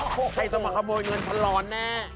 ใครสมเคโปรเงินฉันร้อนแน่